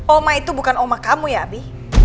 oma itu bukan oma kamu ya abi